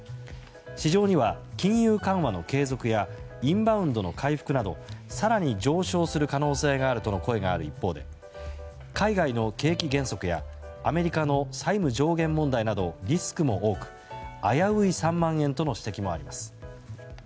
市場には、金融緩和の継続やインバウンドの回復など更に上昇する可能性があるとの声がある一方で海外の景気減速やアメリカの債務上限問題などリスクも多く危うい３万円との指摘もあります。